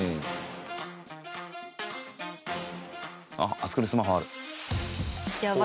あそこにスマホある。